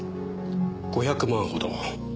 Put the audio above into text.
５００万ほど。